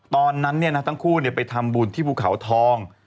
ตอนนั้นทั้งคู่ไปทำบุญที่ภูเขาทอง